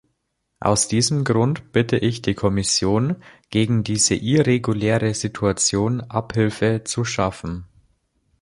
Aus diesem Grund bitte ich die Kommission, gegen diese irreguläre Situation Abhilfe zu schaffen.